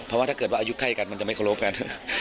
เพราะว่าถ้าเกิดว่าอายุไข้กันมันจะไม่เคารพกัน